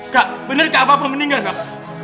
kak bener kak apa pendingan kak